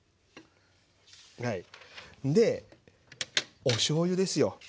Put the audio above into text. でおしょうゆですよ。